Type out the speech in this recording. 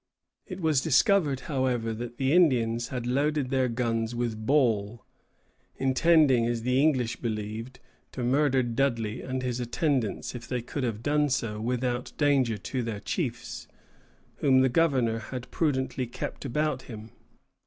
It was discovered, however, that the Indians had loaded their guns with ball, intending, as the English believed, to murder Dudley and his attendants if they could have done so without danger to their chiefs, whom the governor had prudently kept about him.